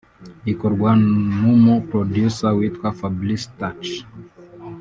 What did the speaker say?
ikorwa n’umu ’Producer’ witwa Fabrice Touch